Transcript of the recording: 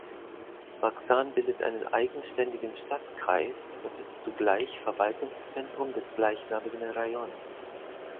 Baksan bildet einen eigenständigen Stadtkreis und ist zugleich Verwaltungszentrum des gleichnamigen Rajons.